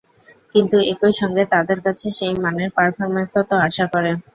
কিন্তু একই সঙ্গে তাঁদের কাছে সেই মানের পারফরম্যান্সও তো আশা করে।